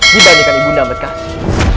dibandingkan ibunda medkasi